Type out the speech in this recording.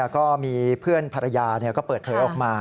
ก็มีเพื่อนภรรยาก็เปิดเผยออกมา